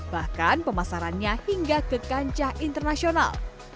bahkan pemasarannya hingga ke kancah internasional